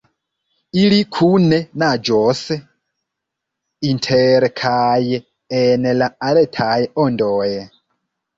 Ili kune naĝos, inter kaj en la altaj ondoj.